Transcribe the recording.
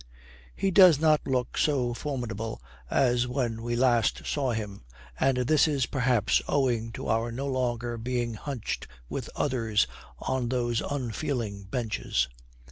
He does not look so formidable as when last we saw him, and this is perhaps owing to our no longer being hunched with others on those unfeeling benches.